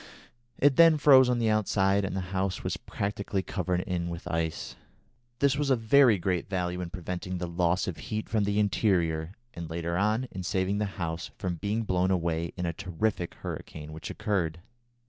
It then froze on the outside, and the house was practically covered in with ice. This was of very great value in preventing the loss of heat from the interior, and, later on, in saving the house from being blown away in a terrific hurricane which occurred.